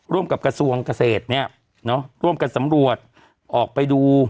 ร่วมกับกระทรวงเกษตรเนี่ยเนอะร่วมกันสำรวจออกไปดู